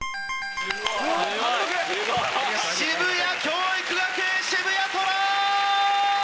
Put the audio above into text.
・すごい・渋谷教育学園渋谷トライ！